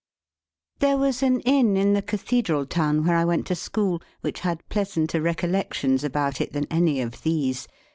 There was an Inn in the cathedral town where I went to school, which had pleasanter recollections about it than any of these.